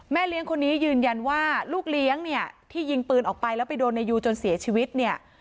เลี้ยงคนนี้ยืนยันว่าลูกเลี้ยงเนี่ยที่ยิงปืนออกไปแล้วไปโดนนายยูจนเสียชีวิตเนี่ย